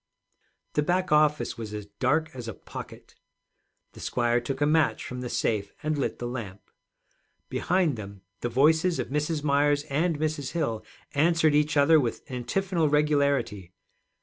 The back office was as dark as a pocket. The squire took a match from the safe, and lit the lamp. Behind them the voices of Mrs. Myers and Mrs. Hill answered each other with antiphonal regularity.